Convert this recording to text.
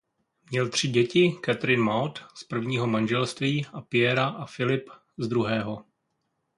Měl tři děti Catherine Maud z prvního manželství a Pierra a Philippe z druhého.